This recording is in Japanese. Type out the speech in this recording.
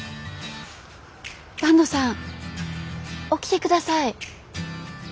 坂東さん起きて下さい。